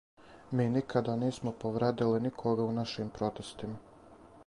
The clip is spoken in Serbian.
Ми никада нисмо повредили никога у нашим протестима.